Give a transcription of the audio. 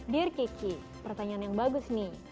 dear kiki pertanyaan yang bagus nih